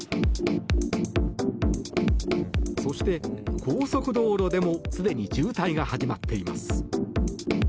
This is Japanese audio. そして、高速道路でもすでに渋滞が始まっています。